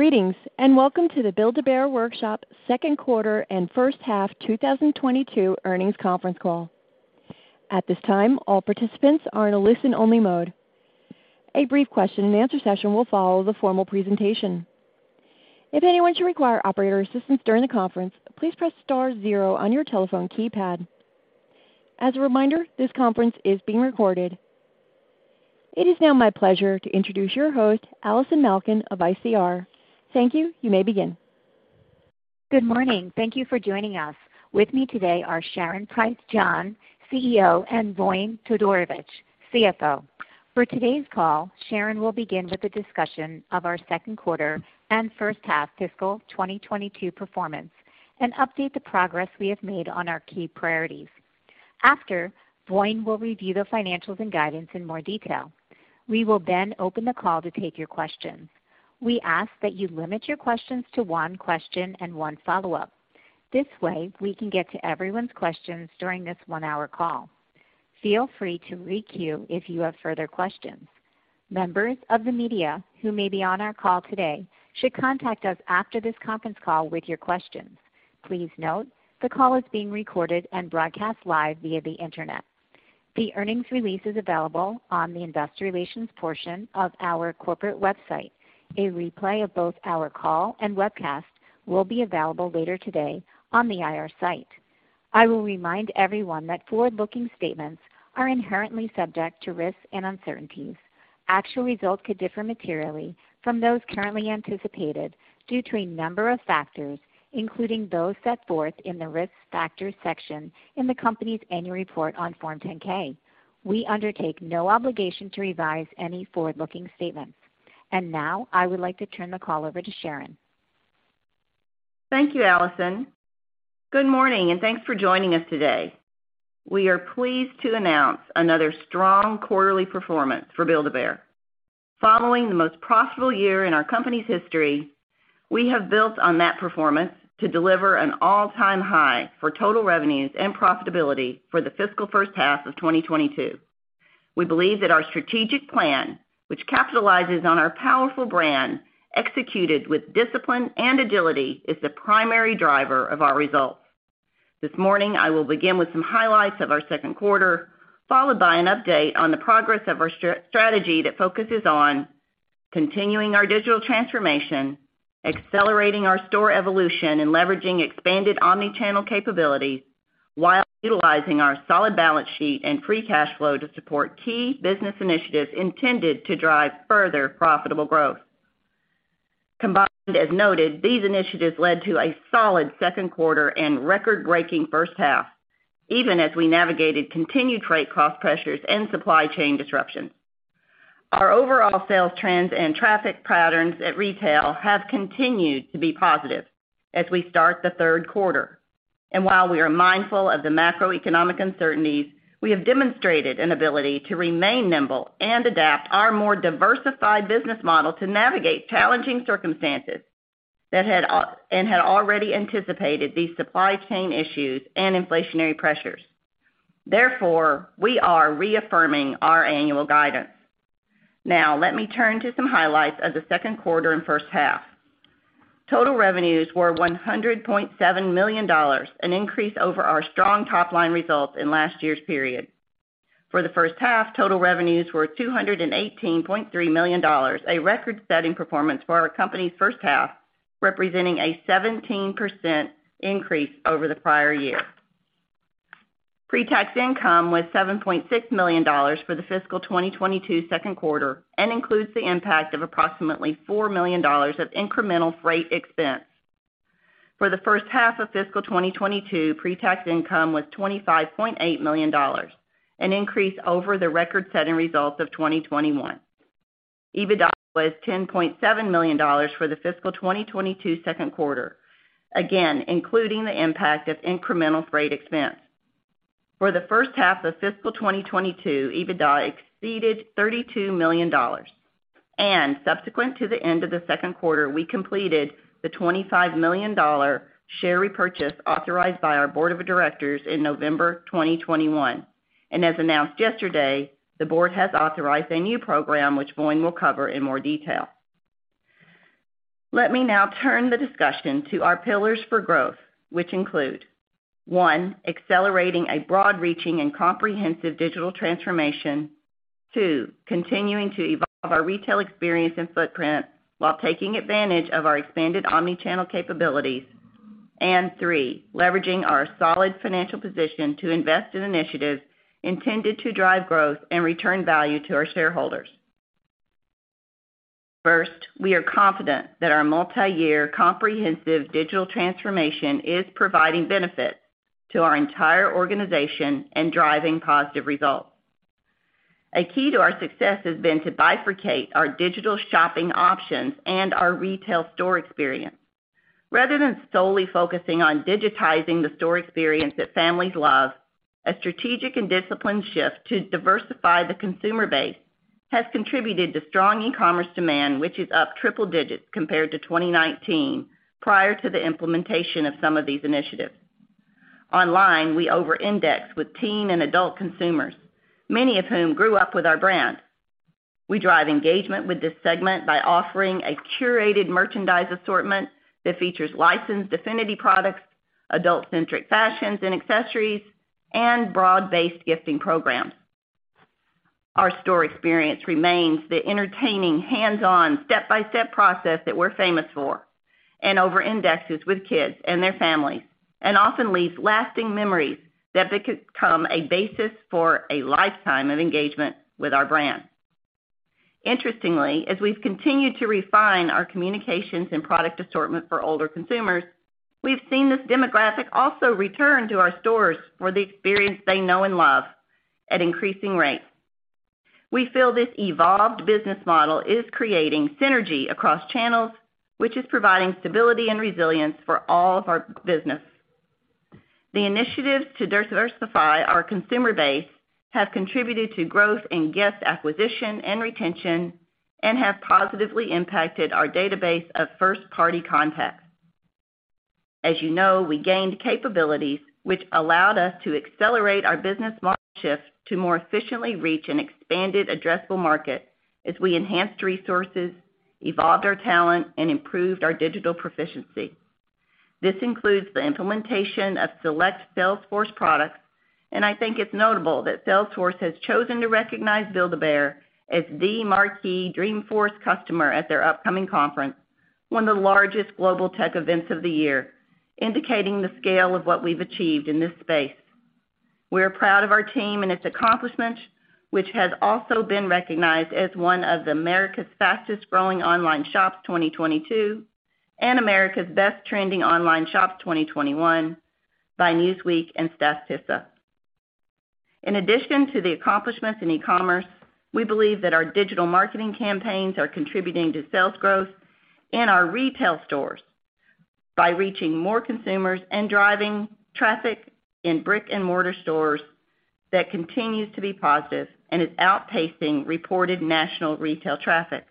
Greetings, and Welcome to the Build-A-Bear Workshop Second Quarter and First Half 2022 Earnings Conference Call. At this time, all participants are in a listen-only mode. A brief question-and-answer session will follow the formal presentation. If anyone should require operator assistance during the conference, please press star zero on your telephone keypad. As a reminder, this conference is being recorded. It is now my pleasure to introduce your host, Allison Malkin of ICR. Thank you. You may begin. Good morning. Thank you for joining us. With me today are Sharon Price John, CEO, and Voin Todorovic, CFO. For today's call, Sharon will begin with a discussion of our second quarter and first half fiscal 2022 performance, and update the progress we have made on our key priorities. After, Voin will review the financials and guidance in more detail. We will then open the call to take your questions. We ask that you limit your questions to one question and one follow-up. This way, we can get to everyone's questions during this one-hour call. Feel free to re-queue if you have further questions. Members of the media who may be on our call today should contact us after this conference call with your questions. Please note, the call is being recorded and broadcast live via the Internet. The earnings release is available on the investor relations portion of our corporate website. A replay of both our call and webcast will be available later today on the IR site. I will remind everyone that forward-looking statements are inherently subject to risks and uncertainties. Actual results could differ materially from those currently anticipated due to a number of factors, including those set forth in the Risk Factors section in the company's annual report on Form 10-K. We undertake no obligation to revise any forward-looking statements. Now, I would like to turn the call over to Sharon. Thank you, Allison. Good morning, and thanks for joining us today. We are pleased to announce another strong quarterly performance for Build-A-Bear. Following the most profitable year in our company's history, we have built on that performance to deliver an all-time high for total revenues and profitability for the fiscal first half of 2022. We believe that our strategic plan, which capitalizes on our powerful brand, executed with discipline and agility, is the primary driver of our results. This morning, I will begin with some highlights of our second quarter, followed by an update on the progress of our strategy that focuses on continuing our digital transformation, accelerating our store evolution, and leveraging expanded omni-channel capabilities, while utilizing our solid balance sheet and free cash flow to support key business initiatives intended to drive further profitable growth. Combined as noted, these initiatives led to a solid second quarter and record-breaking first half, even as we navigated continued freight cost pressures and supply chain disruptions. Our overall sales trends and traffic patterns at retail have continued to be positive as we start the third quarter. While we are mindful of the macroeconomic uncertainties, we have demonstrated an ability to remain nimble and adapt our more diversified business model to navigate challenging circumstances that had already anticipated these supply chain issues and inflationary pressures. Therefore, we are reaffirming our annual guidance. Now, let me turn to some highlights of the second quarter and first half. Total revenues were $100.7 million, an increase over our strong top-line results in last year's period. For the first half, total revenues were $218.3 million, a record-setting performance for our company's first half, representing a 17% increase over the prior year. Pre-tax income was $7.6 million for the fiscal 2022 second quarter and includes the impact of approximately $4 million of incremental freight expense. For the first half of fiscal 2022, pre-tax income was $25.8 million, an increase over the record-setting results of 2021. EBITDA was $10.7 million for the fiscal 2022 second quarter, again, including the impact of incremental freight expense. For the first half of fiscal 2022, EBITDA exceeded $32 million. Subsequent to the end of the second quarter, we completed the $25 million share repurchase authorized by our board of directors in November 2021. As announced yesterday, the board has authorized a new program which Voin will cover in more detail. Let me now turn the discussion to our pillars for growth, which include, one, accelerating a broad-reaching and comprehensive digital transformation. Two, continuing to evolve our retail experience and footprint while taking advantage of our expanded omni-channel capabilities. Three, leveraging our solid financial position to invest in initiatives intended to drive growth and return value to our shareholders. First, we are confident that our multi-year comprehensive digital transformation is providing benefits to our entire organization and driving positive results. A key to our success has been to bifurcate our digital shopping options and our retail store experience. Rather than solely focusing on digitizing the store experience that families love, a strategic and disciplined shift to diversify the consumer base has contributed to strong e-commerce demand, which is up triple digits compared to 2019 prior to the implementation of some of these initiatives. Online, we over-index with teen and adult consumers, many of whom grew up with our brand. We drive engagement with this segment by offering a curated merchandise assortment that features licensed affinity products, adult-centric fashions and accessories, and broad-based gifting programs. Our store experience remains the entertaining, hands-on, step-by-step process that we're famous for, and over-indexes with kids and their families, and often leaves lasting memories that become a basis for a lifetime of engagement with our brand. Interestingly, as we've continued to refine our communications and product assortment for older consumers, we've seen this demographic also return to our stores for the experience they know and love at increasing rates. We feel this evolved business model is creating synergy across channels, which is providing stability and resilience for all of our business. The initiatives to diversify our consumer base have contributed to growth in guest acquisition and retention and have positively impacted our database of first-party contacts. As you know, we gained capabilities which allowed us to accelerate our business model shift to more efficiently reach an expanded addressable market as we enhanced resources, evolved our talent, and improved our digital proficiency. This includes the implementation of select Salesforce products, and I think it's notable that Salesforce has chosen to recognize Build-A-Bear as the marquee Dreamforce customer at their upcoming conference, one of the largest global tech events of the year, indicating the scale of what we've achieved in this space. We are proud of our team and its accomplishments, which has also been recognized as one of America's fastest growing online shops 2022, and America's best trending online shops 2021 by Newsweek and Statista. In addition to the accomplishments in e-commerce, we believe that our digital marketing campaigns are contributing to sales growth in our retail stores by reaching more consumers and driving traffic in brick-and-mortar stores that continues to be positive and is outpacing reported national retail traffic.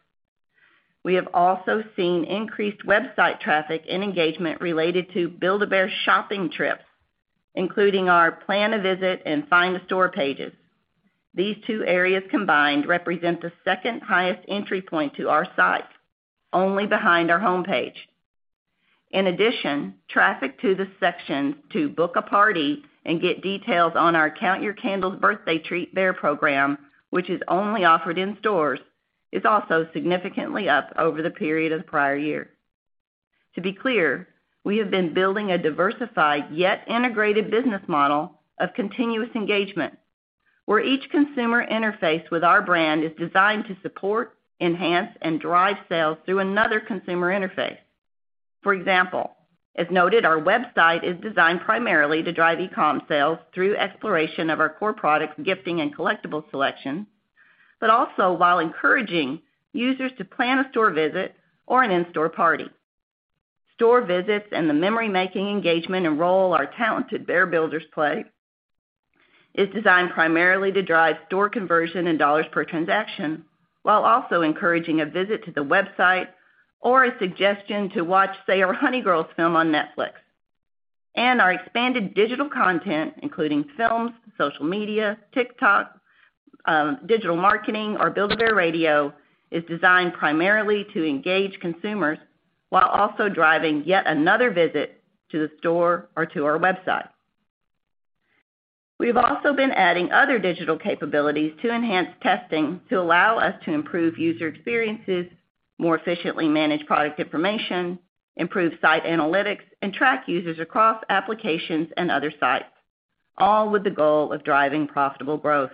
We have also seen increased website traffic and engagement related to Build-A-Bear shopping trips, including our Plan a Visit and Find a Store pages. These two areas combined represent the second highest entry point to our site, only behind our homepage. In addition, traffic to the sections to book a party and get details on our Count Your Candles Birthday Treat Bear program, which is only offered in stores, is also significantly up over the period of the prior year. To be clear, we have been building a diversified yet integrated business model of continuous engagement, where each consumer interface with our brand is designed to support, enhance, and drive sales through another consumer interface. For example, as noted, our website is designed primarily to drive e-com sales through exploration of our core products, gifting and collectible selection, but also while encouraging users to plan a store visit or an in-store party. Store visits and the memory-making engagement and role our talented Bear Builders play is designed primarily to drive store conversion and dollars per transaction while also encouraging a visit to the website or a suggestion to watch, say, our Honey Girls film on Netflix. Our expanded digital content, including films, social media, TikTok, digital marketing, our Build-A-Bear Radio, is designed primarily to engage consumers while also driving yet another visit to the store or to our website. We've also been adding other digital capabilities to enhance testing to allow us to improve user experiences, more efficiently manage product information, improve site analytics, and track users across applications and other sites, all with the goal of driving profitable growth.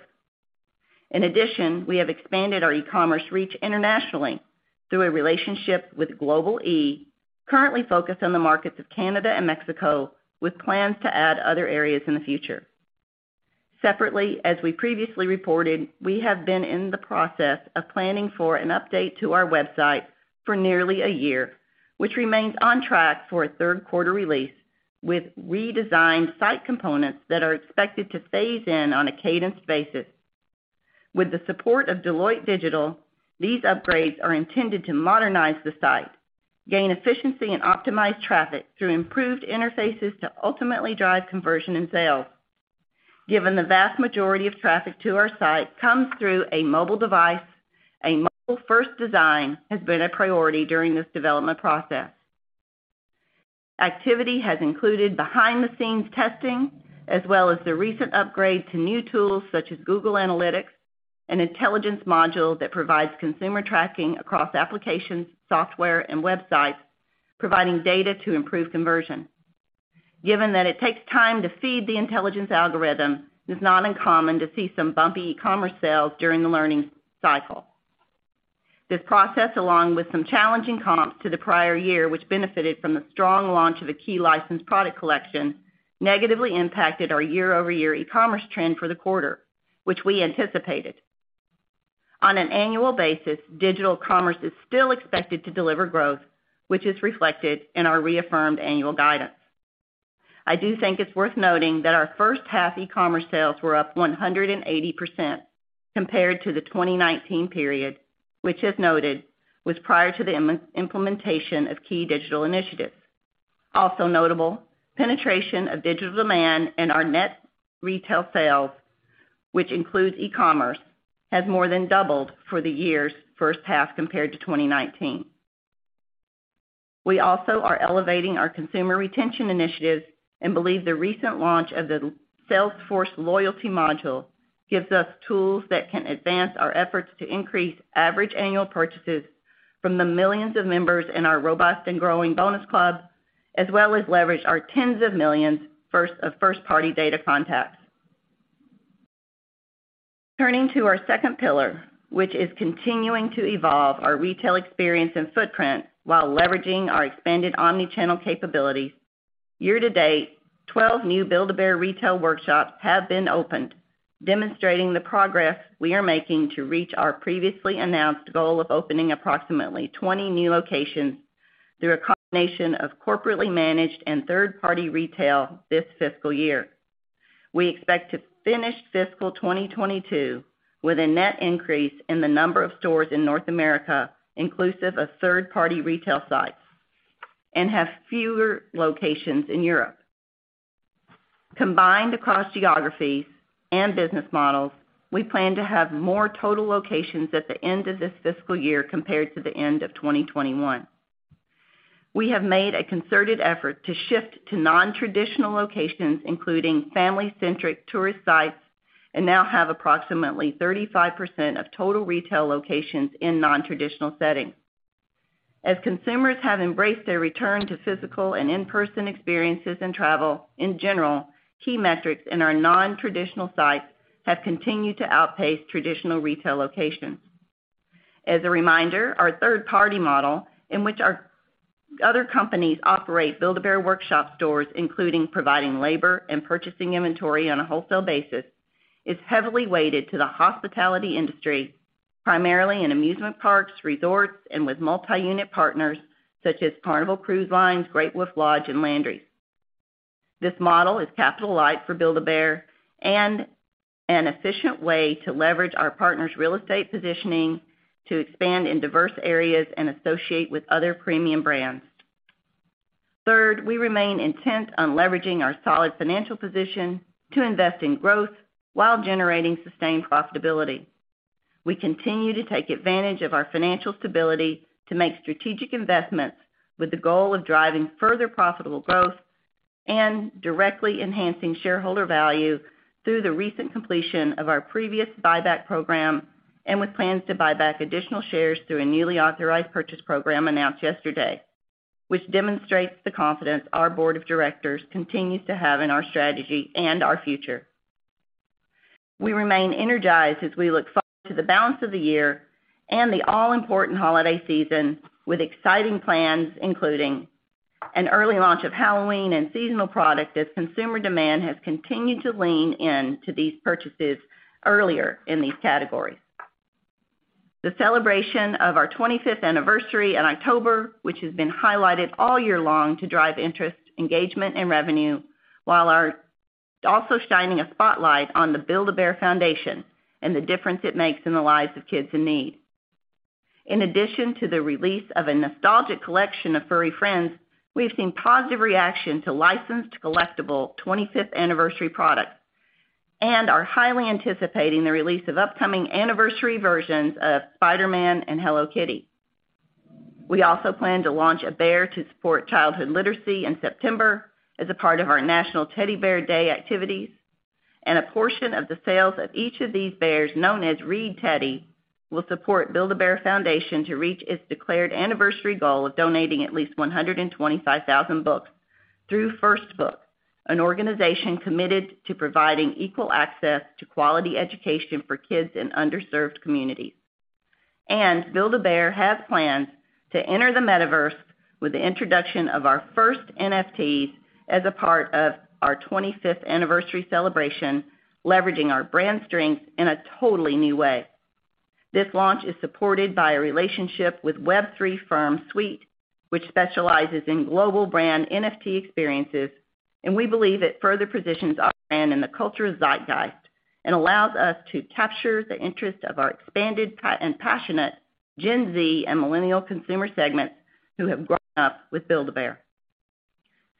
In addition, we have expanded our e-commerce reach internationally through a relationship with Global-e, currently focused on the markets of Canada and Mexico, with plans to add other areas in the future. Separately, as we previously reported, we have been in the process of planning for an update to our website for nearly a year, which remains on track for a third quarter release, with redesigned site components that are expected to phase in on a cadenced basis. With the support of Deloitte Digital, these upgrades are intended to modernize the site, gain efficiency and optimize traffic through improved interfaces to ultimately drive conversion and sales. Given the vast majority of traffic to our site comes through a mobile device, a mobile-first design has been a priority during this development process. Activity has included behind-the-scenes testing as well as the recent upgrade to new tools such as Google Analytics and Intelligence Module that provides consumer tracking across applications, software, and websites, providing data to improve conversion. Given that it takes time to feed the intelligence algorithm, it is not uncommon to see some bumpy e-commerce sales during the learning cycle. This process, along with some challenging comps to the prior year, which benefited from the strong launch of a key licensed product collection, negatively impacted our year-over-year e-commerce trend for the quarter, which we anticipated. On an annual basis, digital commerce is still expected to deliver growth, which is reflected in our reaffirmed annual guidance. I do think it's worth noting that our first half e-commerce sales were up 180%. Compared to the 2019 period, which is noted, was prior to the implementation of key digital initiatives. Also notable, penetration of digital demand and our net retail sales, which includes e-commerce, has more than doubled for the year's first half compared to 2019. We also are elevating our consumer retention initiatives and believe the recent launch of the Salesforce loyalty module gives us tools that can advance our efforts to increase average annual purchases from the millions of members in our robust and growing Bonus Club, as well as leverage our tens of millions of first-party data contacts. Turning to our second pillar, which is continuing to evolve our retail experience and footprint while leveraging our expanded omni-channel capabilities. Year-to-date, 12 new Build-A-Bear retail workshops have been opened, demonstrating the progress we are making to reach our previously announced goal of opening approximately 20 new locations through a combination of corporately managed and third-party retail this fiscal year. We expect to finish fiscal 2022 with a net increase in the number of stores in North America, inclusive of third-party retail sites, and have fewer locations in Europe. Combined across geographies and business models, we plan to have more total locations at the end of this fiscal year compared to the end of 2021. We have made a concerted effort to shift to nontraditional locations, including family-centric tourist sites, and now have approximately 35% of total retail locations in nontraditional settings. As consumers have embraced their return to physical and in-person experiences and travel, in general, key metrics in our nontraditional sites have continued to outpace traditional retail locations. As a reminder, our third-party model, in which our other companies operate Build-A-Bear Workshop stores, including providing labor and purchasing inventory on a wholesale basis, is heavily weighted to the hospitality industry, primarily in amusement parks, resorts, and with multi-unit partners such as Carnival Cruise Line, Great Wolf Lodge, and Landry's. This model is capital light for Build-A-Bear and an efficient way to leverage our partners' real estate positioning to expand in diverse areas and associate with other premium brands. Third, we remain intent on leveraging our solid financial position to invest in growth while generating sustained profitability. We continue to take advantage of our financial stability to make strategic investments with the goal of driving further profitable growth and directly enhancing shareholder value through the recent completion of our previous buyback program and with plans to buy back additional shares through a newly authorized purchase program announced yesterday, which demonstrates the confidence our board of directors continues to have in our strategy and our future. We remain energized as we look forward to the balance of the year and the all-important holiday season with exciting plans, including an early launch of Halloween and seasonal product as consumer demand has continued to lean into these purchases earlier in these categories. The celebration of our 25th anniversary in October, which has been highlighted all year long to drive interest, engagement, and revenue, while also shining a spotlight on the Build-A-Bear Foundation and the difference it makes in the lives of kids in need. In addition to the release of a nostalgic collection of furry friends, we've seen positive reaction to licensed collectible 25th anniversary products and are highly anticipating the release of upcoming anniversary versions of Spider-Man and Hello Kitty. We also plan to launch a bear to support childhood literacy in September as a part of our National Teddy Bear Day activities, and a portion of the sales of each of these bears, known as Read Teddy, will support Build-A-Bear Foundation to reach its declared anniversary goal of donating at least 125,000 books through First Book, an organization committed to providing equal access to quality education for kids in underserved communities. Build-A-Bear has plans to enter the Metaverse with the introduction of our first NFTs as a part of our 25th anniversary celebration, leveraging our brand strength in a totally new way. This launch is supported by a relationship with Web3 firm Sweet, which specializes in global brand NFT experiences, and we believe it further positions our brand in the cultural zeitgeist and allows us to capture the interest of our expanded and passionate Gen Z and millennial consumer segments who have grown up with Build-A-Bear.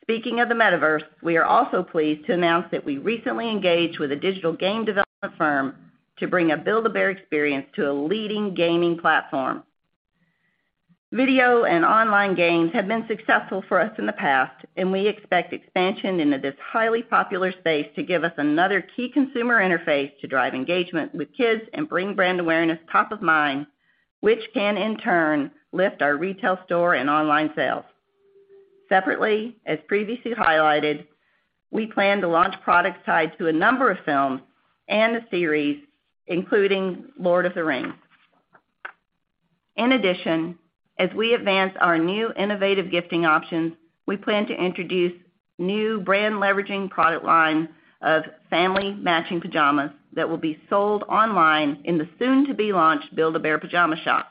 Speaking of the Metaverse, we are also pleased to announce that we recently engaged with a digital game development firm to bring a Build-A-Bear experience to a leading gaming platform. Video and online games have been successful for us in the past, and we expect expansion into this highly popular space to give us another key consumer interface to drive engagement with kids and bring brand awareness top of mind, which can in turn lift our retail store and online sales. Separately, as previously highlighted, we plan to launch products tied to a number of films and a series, including Lord of the Rings. In addition, as we advance our new innovative gifting options, we plan to introduce new brand leveraging product line of family matching pajamas that will be sold online in the soon-to-be-launched Build-A-Bear Pajama Shop.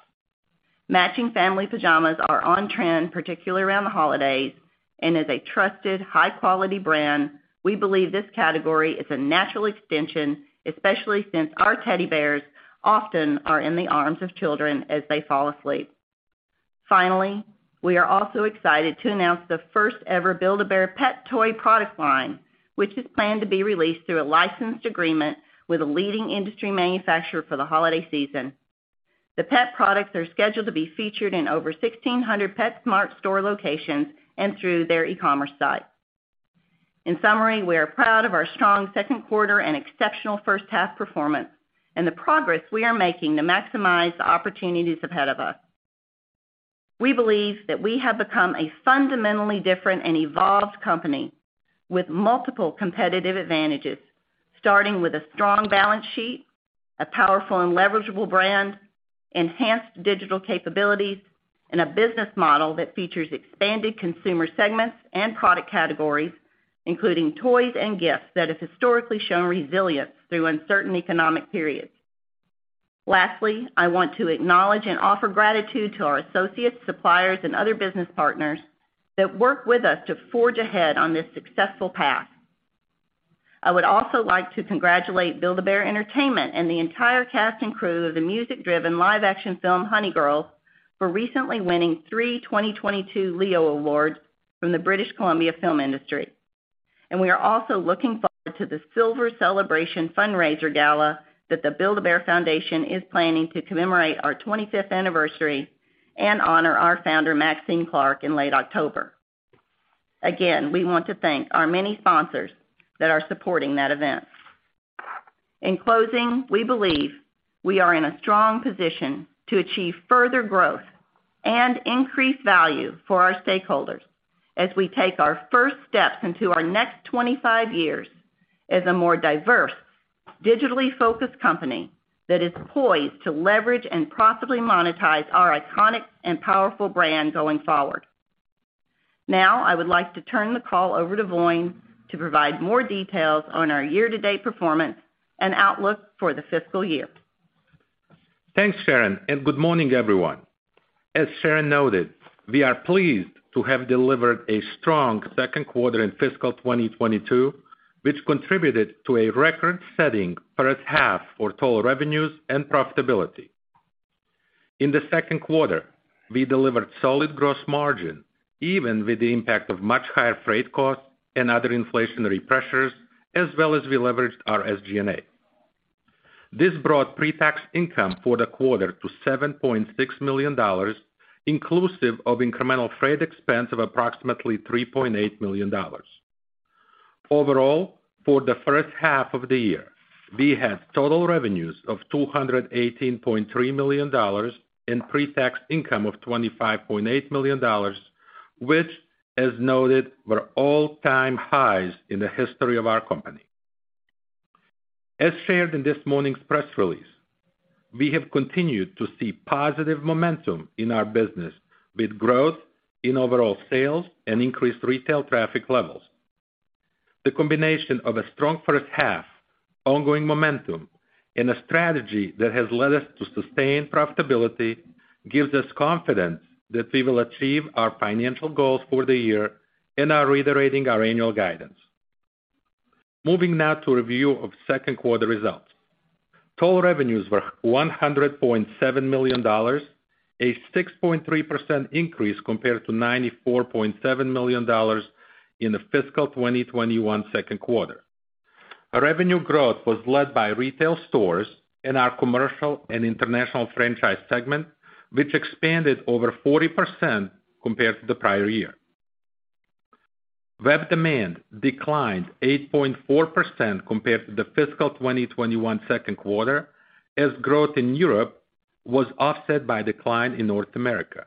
Matching family pajamas are on trend, particularly around the holidays, and as a trusted high-quality brand, we believe this category is a natural extension, especially since our teddy bears often are in the arms of children as they fall asleep. Finally, we are also excited to announce the first ever Build-A-Bear pet toy product line, which is planned to be released through a licensed agreement with a leading industry manufacturer for the holiday season. The pet products are scheduled to be featured in over 1,600 PetSmart store locations and through their e-commerce site. In summary, we are proud of our strong second quarter and exceptional first half performance and the progress we are making to maximize the opportunities ahead of us. We believe that we have become a fundamentally different and evolved company with multiple competitive advantages, starting with a strong balance sheet, a powerful and leverageable brand, enhanced digital capabilities, and a business model that features expanded consumer segments and product categories, including toys and gifts that have historically shown resilience through uncertain economic periods. Lastly, I want to acknowledge and offer gratitude to our associates, suppliers, and other business partners that work with us to forge ahead on this successful path. I would also like to congratulate Build-A-Bear Entertainment and the entire cast and crew of the music-driven live action film Honey Girls for recently winning three 2022 Leo Awards from the British Columbia film industry. We are also looking forward to the Silver Celebration Gala that the Build-A-Bear Foundation is planning to commemorate our 25th anniversary and honor our founder, Maxine Clark, in late October. Again, we want to thank our many sponsors that are supporting that event. In closing, we believe we are in a strong position to achieve further growth and increase value for our stakeholders as we take our first steps into our next 25 years as a more diverse, digitally focused company that is poised to leverage and profitably monetize our iconic and powerful brand going forward. Now, I would like to turn the call over to Voin to provide more details on our year-to-date performance and outlook for the fiscal year. Thanks, Sharon, and good morning, everyone. As Sharon noted, we are pleased to have delivered a strong second quarter in fiscal 2022, which contributed to a record-setting first half for total revenues and profitability. In the second quarter, we delivered solid gross margin, even with the impact of much higher freight costs and other inflationary pressures, as well as we leveraged our SG&A. This brought pre-tax income for the quarter to $7.6 million, inclusive of incremental freight expense of approximately $3.8 million. Overall, for the first half of the year, we had total revenues of $218.3 million and pre-tax income of $25.8 million, which, as noted, were all-time highs in the history of our company. As shared in this morning's press release, we have continued to see positive momentum in our business, with growth in overall sales and increased retail traffic levels. The combination of a strong first half, ongoing momentum, and a strategy that has led us to sustain profitability gives us confidence that we will achieve our financial goals for the year and are reiterating our annual guidance. Moving now to review of second quarter results. Total revenues were $100.7 million, a 6.3% increase compared to $94.7 million in the fiscal 2021 second quarter. Our revenue growth was led by retail stores in our commercial and international franchise segment, which expanded over 40% compared to the prior year. Web demand declined 8.4% compared to the fiscal 2021 second quarter, as growth in Europe was offset by decline in North America.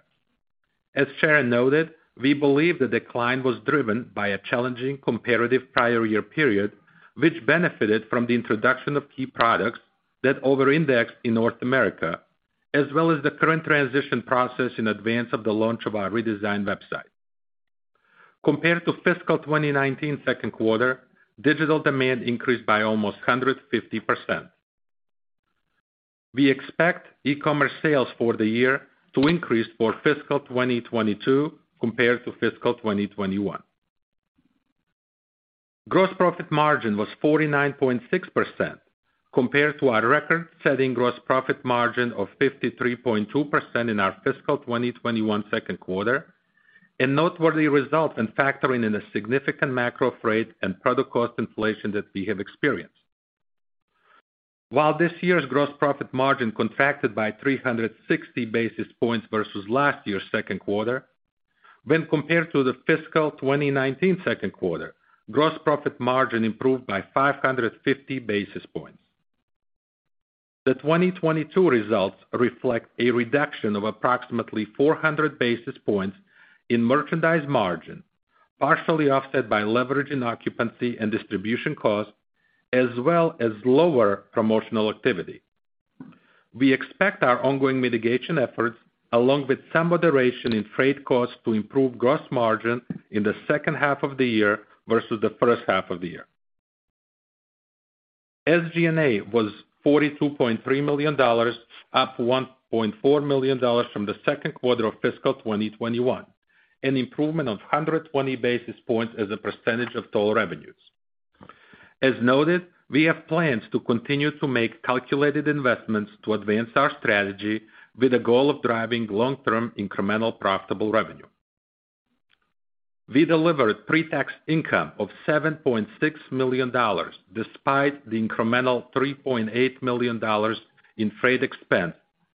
As Sharon noted, we believe the decline was driven by a challenging comparative prior year period, which benefited from the introduction of key products that over-indexed in North America, as well as the current transition process in advance of the launch of our redesigned website. Compared to fiscal 2019 second quarter, digital demand increased by almost 150%. We expect e-commerce sales for the year to increase for fiscal 2022 compared to fiscal 2021. Gross profit margin was 49.6% compared to our record-setting gross profit margin of 53.2% in our fiscal 2021 second quarter, a noteworthy result when factoring in a significant macro freight and product cost inflation that we have experienced. While this year's gross profit margin contracted by 360 basis points versus last year's second quarter, when compared to the fiscal 2019 second quarter, gross profit margin improved by 550 basis points. The 2022 results reflect a reduction of approximately 400 basis points in merchandise margin, partially offset by leverage in occupancy and distribution costs, as well as lower promotional activity. We expect our ongoing mitigation efforts, along with some moderation in freight costs, to improve gross margin in the second half of the year versus the first half of the year. SG&A was $42.3 million, up $1.4 million from the second quarter of fiscal 2021, an improvement of 120 basis points as a percentage of total revenues. As noted, we have plans to continue to make calculated investments to advance our strategy with the goal of driving long-term incremental profitable revenue. We delivered pre-tax income of $7.6 million, despite the incremental $3.8 million in freight expense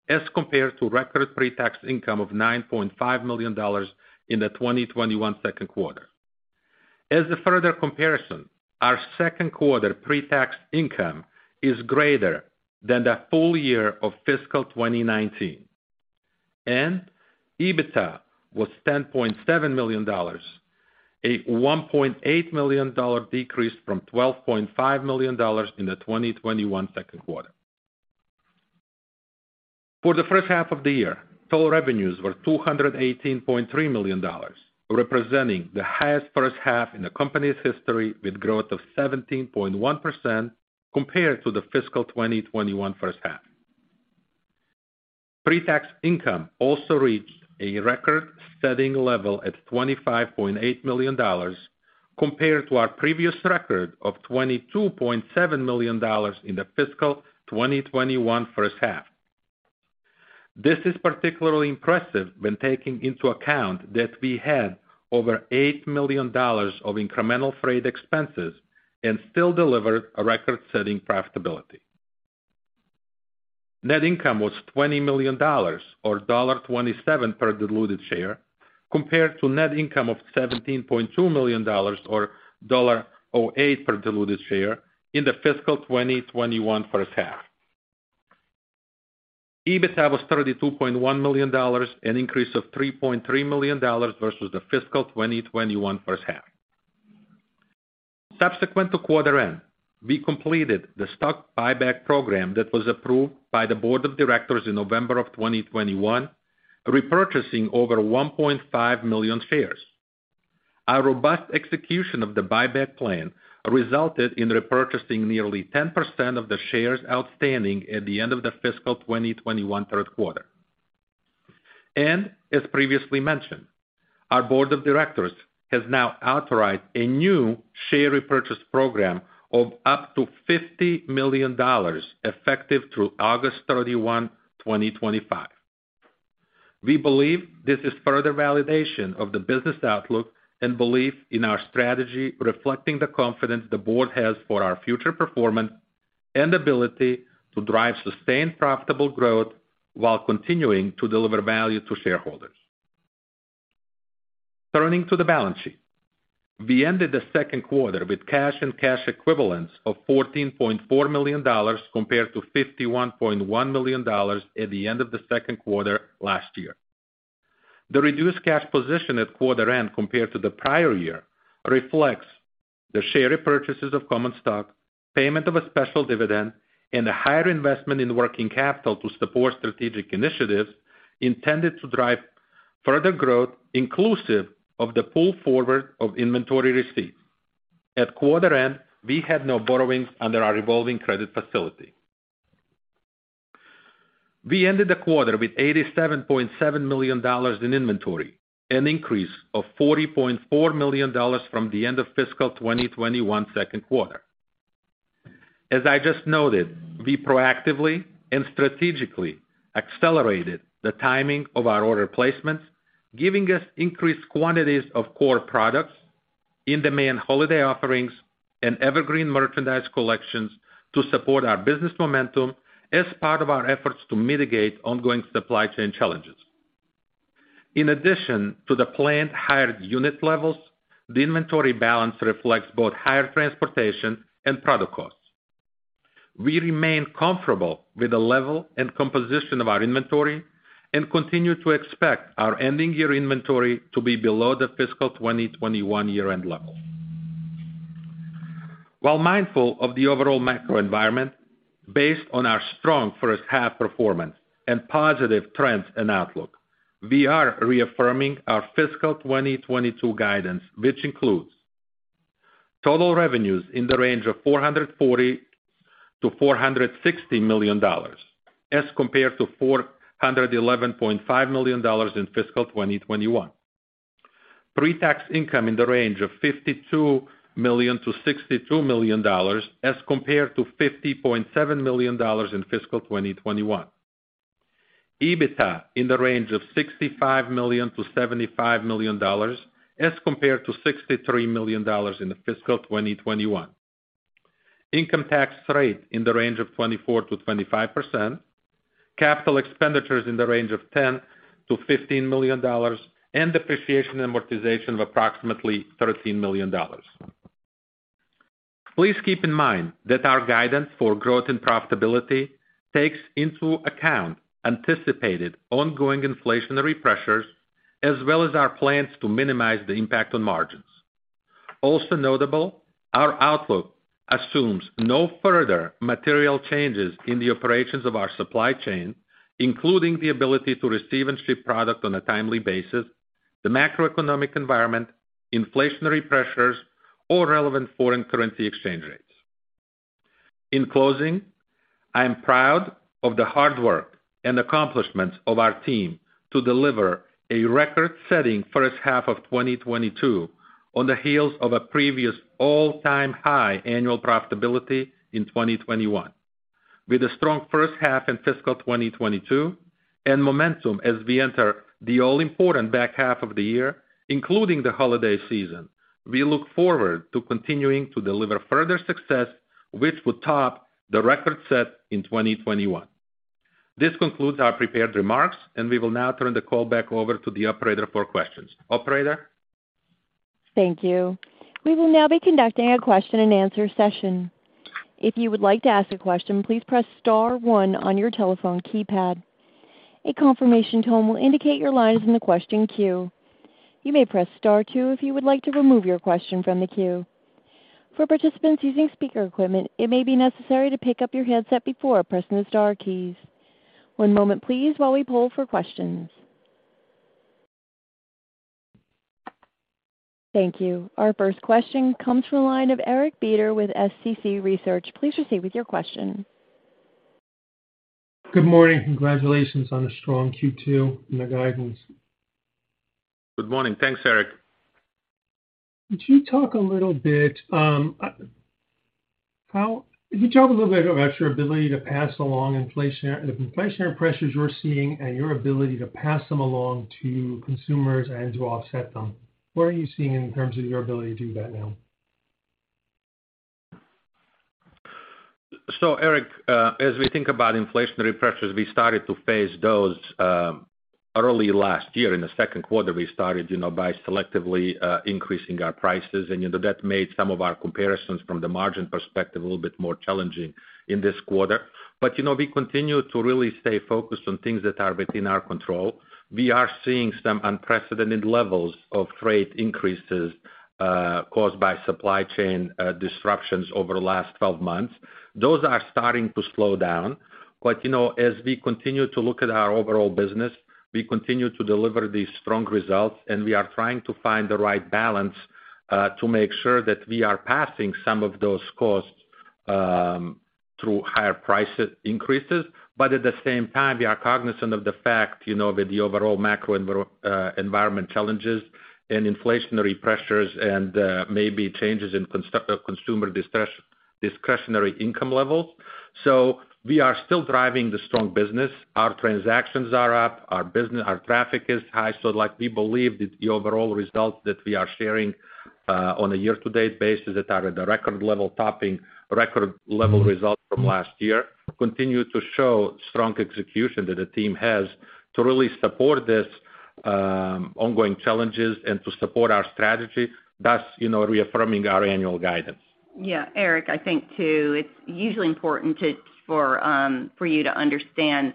as compared to record pre-tax income of $9.5 million in the 2021 second quarter. As a further comparison, our second quarter pre-tax income is greater than the full year of fiscal 2019, and EBITDA was $10.7 million, a $1.8 million decrease from $12.5 million in the 2021 second quarter. For the first half of the year, total revenues were $218.3 million, representing the highest first half in the company's history, with growth of 17.1% compared to the fiscal 2021 first half. Pre-tax income also reached a record-setting level at $25.8 million compared to our previous record of $22.7 million in the fiscal 2021 first half. This is particularly impressive when taking into account that we had over $8 million of incremental freight expenses and still delivered a record-setting profitability. Net income was $20 million or $1.27 per diluted share compared to net income of $17.2 million or $0.08 per diluted share in the fiscal 2021 first half. EBITDA was $32.1 million, an increase of $3.3 million versus the fiscal 2021 first half. Subsequent to quarter end, we completed the stock buyback program that was approved by the board of directors in November of 2021, repurchasing over 1.5 million shares. Our robust execution of the buyback plan resulted in repurchasing nearly 10% of the shares outstanding at the end of the fiscal 2021 third quarter. As previously mentioned, our board of directors has now authorized a new share repurchase program of up to $50 million effective through August 31, 2025. We believe this is further validation of the business outlook and belief in our strategy, reflecting the confidence the board has for our future performance and ability to drive sustained profitable growth while continuing to deliver value to shareholders. Turning to the balance sheet. We ended the second quarter with cash and cash equivalents of $14.4 million compared to $51.1 million at the end of the second quarter last year. The reduced cash position at quarter end compared to the prior year reflects the share repurchases of common stock, payment of a special dividend, and a higher investment in working capital to support strategic initiatives intended to drive further growth, inclusive of the pull forward of inventory receipts. At quarter end, we had no borrowings under our revolving credit facility. We ended the quarter with $87.7 million in inventory, an increase of $40.4 million from the end of fiscal 2021 second quarter. As I just noted, we proactively and strategically accelerated the timing of our order placements giving us increased quantities of core products in-demand holiday offerings and evergreen merchandise collections to support our business momentum as part of our efforts to mitigate ongoing supply chain challenges. In addition to the planned higher unit levels, the inventory balance reflects both higher transportation and product costs. We remain comfortable with the level and composition of our inventory and continue to expect our ending year inventory to be below the fiscal 2021 year-end level. While mindful of the overall macro environment based on our strong first half performance and positive trends and outlook, we are reaffirming our fiscal 2022 guidance, which includes total revenues in the range of $440 million-$460 million as compared to $411.5 million in fiscal 2021. Pre-tax income in the range of $52 million-$62 million as compared to $50.7 million in fiscal 2021. EBITDA in the range of $65 million-$75 million as compared to $63 million in the fiscal 2021. Income tax rate in the range of 24%-25%. Capital expenditures in the range of $10 million-$15 million. Depreciation amortization of approximately $13 million. Please keep in mind that our guidance for growth and profitability takes into account anticipated ongoing inflationary pressures as well as our plans to minimize the impact on margins. Also notable, our outlook assumes no further material changes in the operations of our supply chain, including the ability to receive and ship product on a timely basis. The macroeconomic environment, inflationary pressures, or relevant foreign currency exchange rates. In closing, I am proud of the hard work and accomplishments of our team to deliver a record-setting first half of 2022 on the heels of a previous all-time high annual profitability in 2021. With a strong first half in fiscal 2022 and momentum as we enter the all-important back half of the year, including the holiday season, we look forward to continuing to deliver further success, which will top the record set in 2021. This concludes our prepared remarks, and we will now turn the call back over to the operator for questions. Operator? Thank you. We will now be conducting a question and answer session. If you would like to ask a question, please press star one on your telephone keypad. A confirmation tone will indicate your line is in the question queue. You may press star two if you would like to remove your question from the queue. For participants using speaker equipment, it may be necessary to pick up your headset before pressing the star keys. One moment please while we poll for questions. Thank you. Our first question comes from the line of Eric Beder with SCC Research. Please proceed with your question. Good morning. Congratulations on a strong Q2 and the guidance. Good morning. Thanks, Eric. Could you talk a little bit about your ability to pass along inflation, the inflationary pressures you're seeing and your ability to pass them along to consumers and to offset them? What are you seeing in terms of your ability to do that now? Eric, as we think about inflationary pressures, we started to face those early last year. In the second quarter, we started, you know, by selectively increasing our prices, and, you know, that made some of our comparisons from the margin perspective a little bit more challenging in this quarter. We continue to really stay focused on things that are within our control. We are seeing some unprecedented levels of freight increases caused by supply chain disruptions over the last 12 months. Those are starting to slow down. We continue to look at our overall business, we continue to deliver these strong results, and we are trying to find the right balance to make sure that we are passing some of those costs through higher prices increases. At the same time, we are cognizant of the fact, you know, that the overall macro environment challenges and inflationary pressures and, maybe changes in consumer discretionary income levels. We are still driving the strong business. Our transactions are up, our business, our traffic is high. Like, we believe that the overall results that we are sharing, on a year-to-date basis that are at a record level, topping record level results from last year, continue to show strong execution that the team has to really support this, ongoing challenges and to support our strategy, thus, you know, reaffirming our annual guidance. Yeah, Eric, I think too, it's usually important for you to understand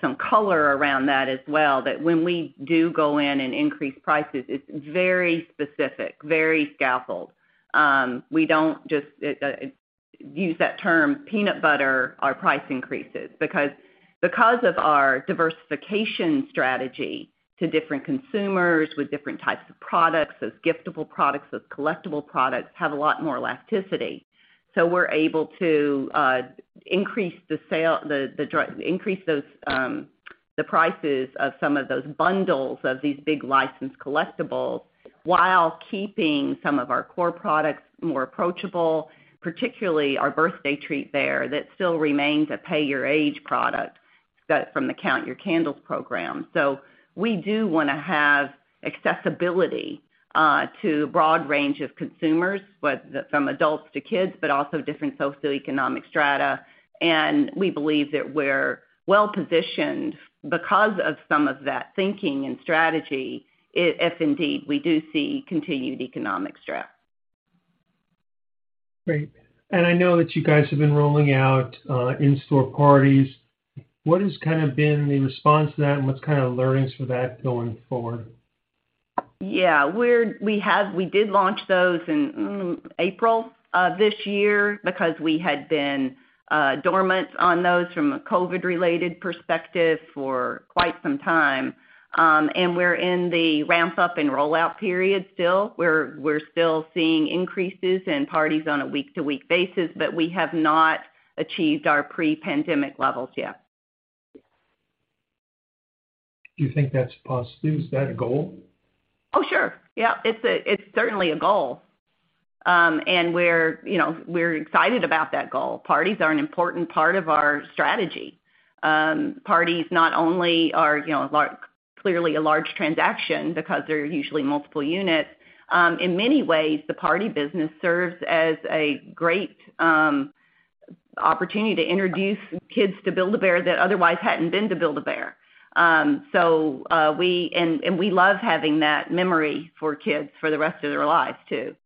some color around that as well, that when we do go in and increase prices, it's very specific, very scaffolded. We don't just use that term peanut butter our price increases, because of our diversification strategy to different consumers with different types of products, those giftable products, those collectible products have a lot more elasticity. So we're able to increase those, the prices of some of those bundles of these big licensed collectibles while keeping some of our core products more approachable, particularly our Birthday Treat Bear that still remains a pay your age product from the Count Your Candles program. We do wanna have accessibility to a broad range of consumers, but from adults to kids, but also different socioeconomic strata. We believe that we're well-positioned because of some of that thinking and strategy if indeed we do see continued economic stress. Great. I know that you guys have been rolling out in-store parties. What has kind a been the response to that, and what's kind a learnings for that going forward? We did launch those in April of this year because we had been dormant on those from a COVID-related perspective for quite some time. We're in the ramp-up and rollout period still, where we're still seeing increases in parties on a week-to-week basis, but we have not achieved our pre-pandemic levels yet. Do you think that's possible? Is that a goal? Oh, sure. Yeah. It's certainly a goal. We're, you know, excited about that goal. Parties are an important part of our strategy. Parties not only are, you know, clearly a large transaction because they're usually multiple units. In many ways, the party business serves as a great opportunity to introduce kids to Build-A-Bear that otherwise hadn't been to Build-A-Bear. We love having that memory for kids for the rest of their lives, too.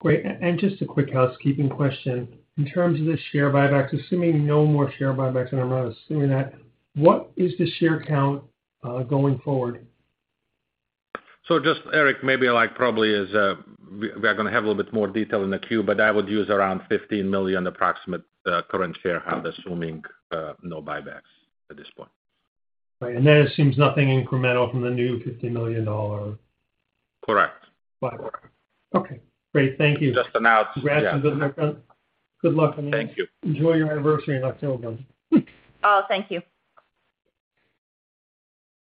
Great. Just a quick housekeeping question. In terms of the share buybacks, assuming no more share buybacks, and I'm not assuming that, what is the share count going forward? Just Eric, maybe like probably is, we're gonna have a little bit more detail in the queue, but I would use around 15 million approximate current shareholders, assuming no buybacks at this point. Right. That seems nothing incremental from the new $50 million dollar. Correct. Buyback. Okay, great. Thank you. Just announced. Congrats and good luck. Thank you. Enjoy your anniversary in October. Oh, thank you.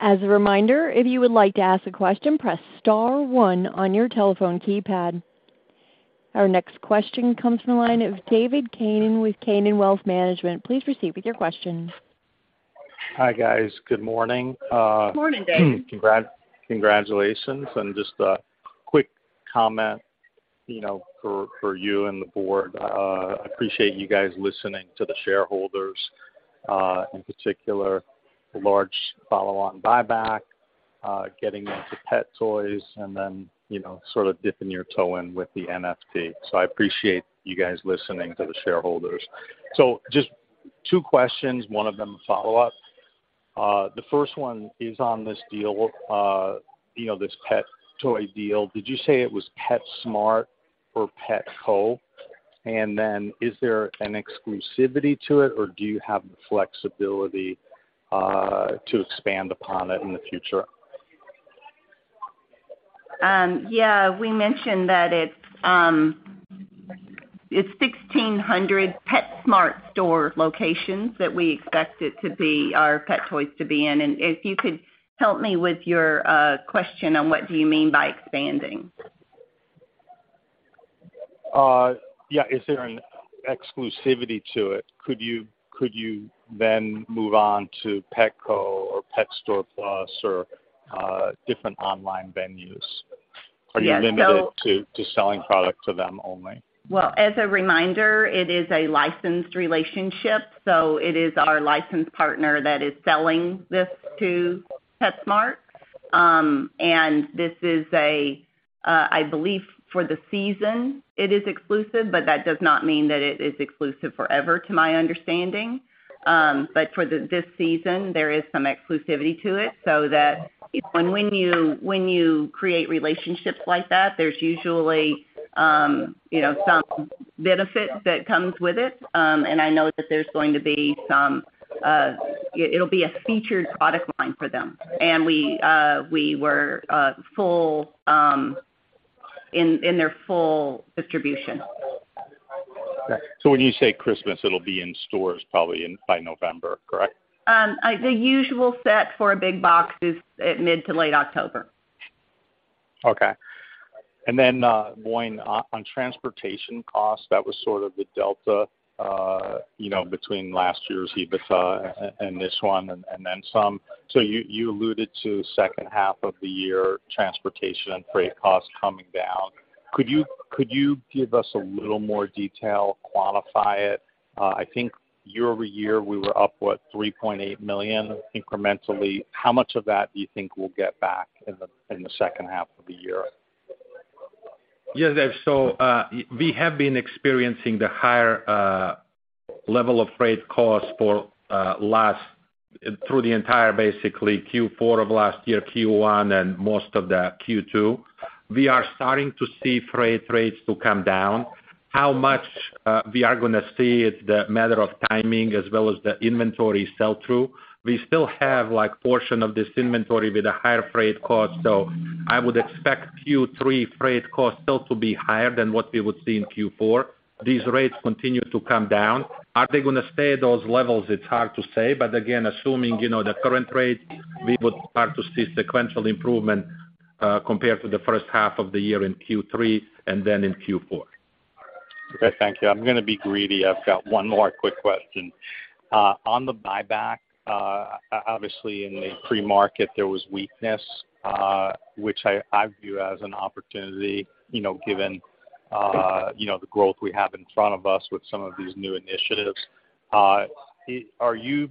As a reminder, if you would like to ask a question, press star one on your telephone keypad. Our next question comes from the line of David Kane with Kane Wealth Management. Please proceed with your question. Hi, guys. Good morning. Good morning, David. Congrats. Congratulations, and just a quick comment, you know, for you and the board. Appreciate you guys listening to the shareholders, in particular, large follow-on buyback, getting into pet toys and then, you know, sort of dipping your toe in with the NFT. I appreciate you guys listening to the shareholders. Just two questions, one of them a follow-up. The first one is on this deal, you know, this pet toy deal. Did you say it was PetSmart or Petco? And then is there an exclusivity to it, or do you have the flexibility to expand upon it in the future? Yeah. We mentioned that it's 1,600 PetSmart store locations that we expect it to be, our pet toys to be in. If you could help me with your question on what do you mean by expanding? Yeah. Is there an exclusivity to it? Could you then move on to Petco or Pet Supplies Plus or different online venues? Yeah. Are you limited to selling product to them only? Well, as a reminder, it is a licensed relationship, so it is our licensed partner that is selling this to PetSmart. This is, I believe, for the season it is exclusive, but that does not mean that it is exclusive forever, to my understanding. For this season, there is some exclusivity to it, so that when you create relationships like that, there's usually, you know, some benefit that comes with it. I know that there's going to be some. It'll be a featured product line for them. We were full in their full distribution. When you say Christmas, it'll be in stores probably by November, correct? The usual set for a big box is at mid to late October. Okay. Going on transportation costs, that was sort of the delta, you know, between last year's EBITDA and this one and then some. You alluded to second half of the year transportation freight costs coming down. Could you give us a little more detail, quantify it? I think year-over-year, we were up, what, $3.8 million incrementally. How much of that do you think we'll get back in the second half of the year? Yes, we have been experiencing the higher level of freight costs for last through the entire, basically Q4 of last year, Q1 and most of the Q2. We are starting to see freight rates to come down. How much we are gonna see is the matter of timing as well as the inventory sell-through. We still have like, portion of this inventory with a higher freight cost. I would expect Q3 freight costs still to be higher than what we would see in Q4. These rates continue to come down. Are they gonna stay at those levels? It's hard to say, but again, assuming, you know, the current rate, we would start to see sequential improvement compared to the first half of the year in Q3 and then in Q4. Okay, thank you. I'm gonna be greedy. I've got one more quick question. On the buyback, obviously in the pre-market, there was weakness, which I view as an opportunity, you know, given the growth we have in front of us with some of these new initiatives. Are you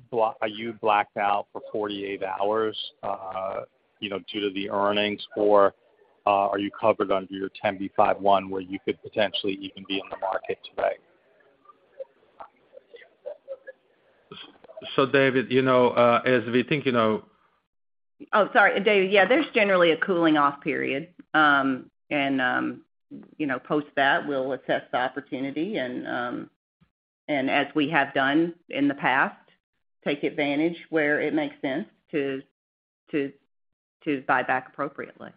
blacked out for 48 hours, you know, due to the earnings, or are you covered under your 10b5-1, where you could potentially even be in the market today? David, you know, as we think, you know. Oh, sorry, David. Yeah, there's generally a cooling off period. You know, post that, we'll assess the opportunity and as we have done in the past, take advantage where it makes sense to buy back appropriately.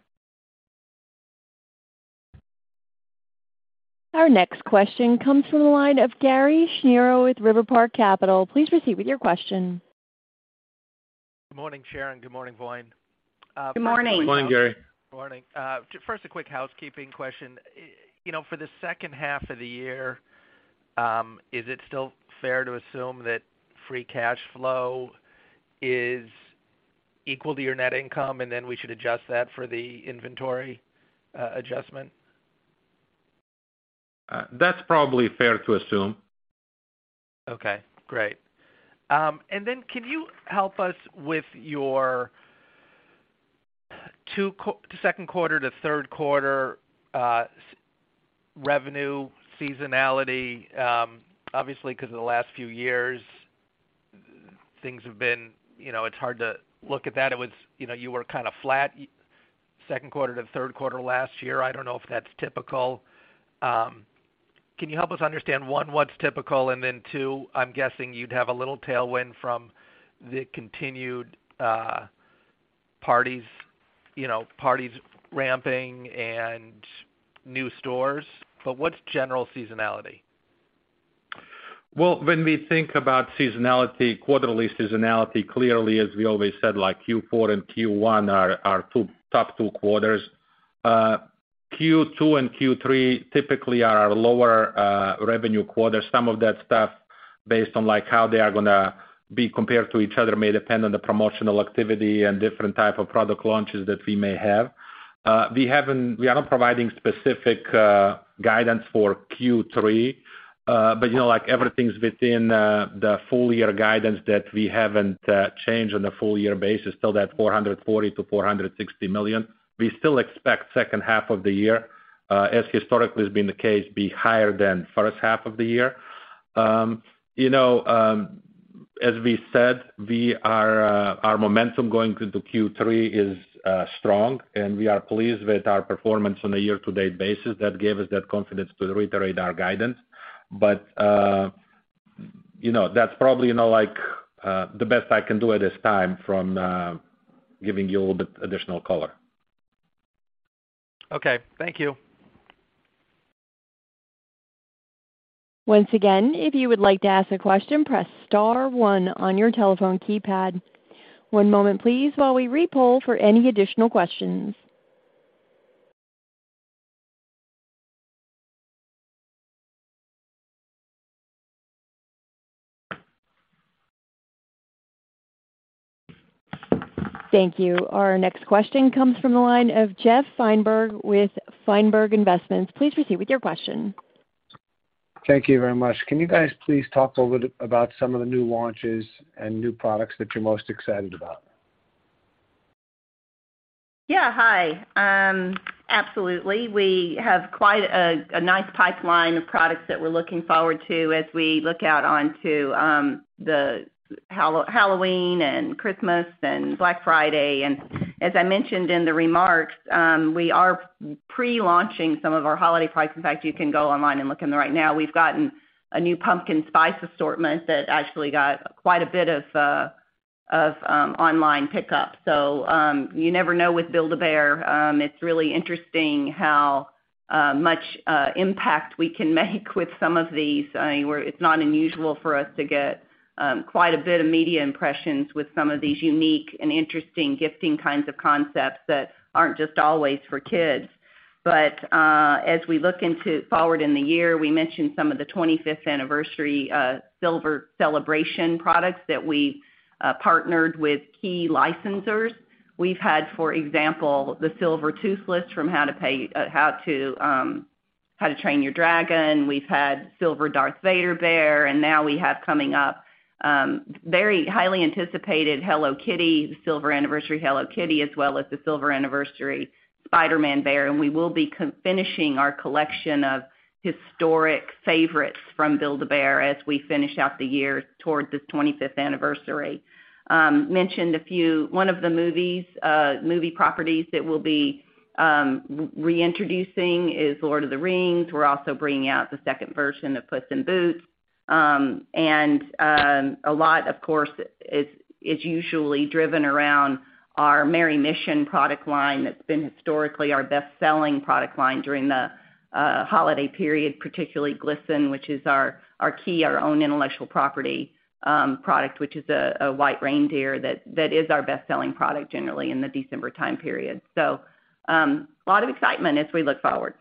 Our next question comes from the line of Gary Schnierow with RiverPark Capital. Please proceed with your question. Good morning, Sharon. Good morning, Voin. Good morning. Good morning, Gary. Morning. First, a quick housekeeping question. You know, for the second half of the year, is it still fair to assume that free cash flow is equal to your net income, and then we should adjust that for the inventory adjustment? That's probably fair to assume. Okay, great. Can you help us with your second quarter to third quarter revenue seasonality? Obviously, 'cause of the last few years, things have been, you know, it's hard to look at that. It was, you know, you were kind a flat second quarter to third quarter last year. I don't know if that's typical. Can you help us understand, one, what's typical? Two, I'm guessing you'd have a little tailwind from the continued parties, you know, parties ramping and new stores, but what's general seasonality? Well, when we think about seasonality, quarterly seasonality, clearly, as we always said, like Q4 and Q1 are two top quarters. Q2 and Q3 typically are our lower revenue quarters. Some of that stuff based on, like, how they are gonna be compared to each other may depend on the promotional activity and different type of product launches that we may have. We are not providing specific guidance for Q3. But, you know, like, everything's within the full year guidance that we haven't changed on the full year basis, still that $440 million-$460 million. We still expect second half of the year, as historically has been the case, be higher than first half of the year. you know, as we said, our momentum going into Q3 is strong, and we are pleased with our performance on a year-to-date basis that gave us that confidence to reiterate our guidance. you know, that's probably, you know, like the best I can do at this time from giving you a little bit additional color. Okay. Thank you. Once again, if you would like to ask a question, press star one on your telephone keypad. One moment please while we re-poll for any additional questions. Thank you. Our next question comes from the line of Jeff Feinberg with Feinberg Investments. Please proceed with your question. Thank you very much. Can you guys please talk a little bit about some of the new launches and new products that you're most excited about? Yeah. Hi. Absolutely. We have quite a nice pipeline of products that we're looking forward to as we look out onto the Halloween and Christmas and Black Friday. As I mentioned in the remarks, we are pre-launching some of our holiday products. In fact, you can go online and look at them right now. We've gotten a new pumpkin spice assortment that actually got quite a bit of online pickup. You never know with Build-A-Bear. It's really interesting how much impact we can make with some of these. I mean, where it's not unusual for us to get quite a bit of media impressions with some of these unique and interesting gifting kinds of concepts that aren't just always for kids. As we look forward into the year, we mentioned some of the 25th anniversary silver celebration products that we partnered with key licensors. We've had, for example, the silver Toothless from How to Train Your Dragon. We've had silver Darth Vader bear, and now we have coming up very highly anticipated Hello Kitty, the silver anniversary Hello Kitty, as well as the silver anniversary Spider-Man bear. We will be concluding our collection of historic favorites from Build-A-Bear as we finish out the year towards this 25th anniversary. Mentioned a few. One of the movie properties that we'll be reintroducing is Lord of the Rings. We're also bringing out the second version of Puss in Boots. A lot, of course, is usually driven around our Merry Mission product line that's been historically our best-selling product line during the holiday period, particularly Glisten, which is our key, our own intellectual property product, which is a white reindeer that is our best-selling product generally in the December time period. A lot of excitement as we look forward.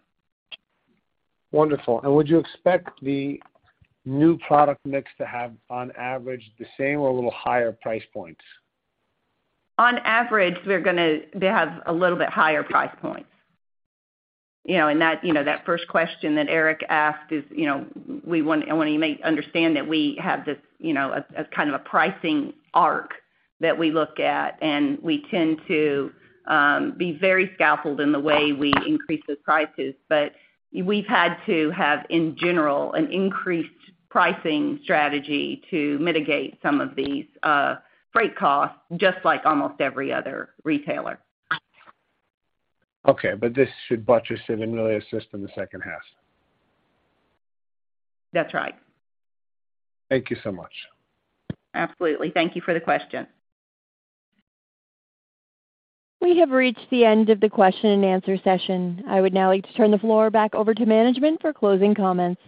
Wonderful. Would you expect the new product mix to have on average the same or a little higher price points? On average, they're gonna have a little bit higher price points. You know, that first question that Eric asked is, you know, I want to make you understand that we have this, you know, a kind of a pricing arc that we look at, and we tend to be very sculpted in the way we increase those prices. We've had to have, in general, an increased pricing strategy to mitigate some of these, freight costs, just like almost every other retailer. Okay, this should buttress and really assist in the second half? That's right. Thank you so much. Absolutely. Thank you for the question. We have reached the end of the question-and-answer session. I would now like to turn the floor back over to management for closing comments.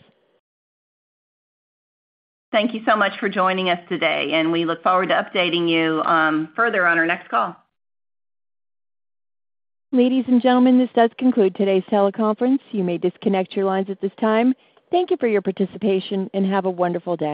Thank you so much for joining us today, and we look forward to updating you, further on our next call. Ladies and gentlemen, this does conclude today's teleconference. You may disconnect your lines at this time. Thank you for your participation, and have a wonderful day.